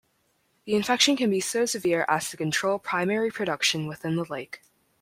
The infection can be so severe as to control primary production within the lake.